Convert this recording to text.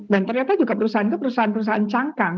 dan ternyata juga perusahaan itu perusahaan perusahaan cangkang